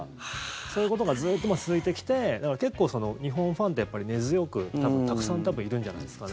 そういうことがずっと続いてきてだから結構、日本ファンってやっぱり根強く、多分たくさんいるんじゃないですかね。